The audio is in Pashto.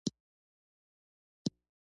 د کابل سیند د افغانانو د ژوند طرز اغېزمنوي.